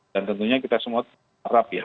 dan tentunya kita semua harap ya